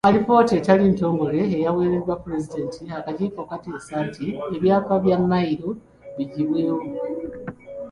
Mu alipoota etali ntongole eyaweebwa Pulezidenti, akakiiko kaateesa nti ebyapa bya Mmayiro biggyibwewo.